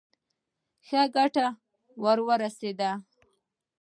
ښه ګټه ورسېده.